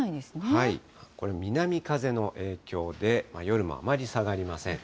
これ、南風の影響で夜もあまり下がりません。